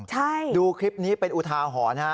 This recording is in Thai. ใช่ดูคลิปนี้เป็นอุทาหรณ์ฮะ